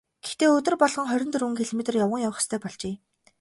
Гэхдээ өдөр болгон хорин дөрвөн километр явган явах ёстой болжээ.